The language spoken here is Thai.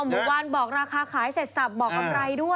หมู่บ้านบอกราคาขายเสร็จสับบอกกำไรด้วย